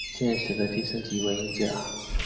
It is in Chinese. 现时的第三级为英甲。